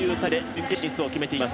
準決勝進出を決めています。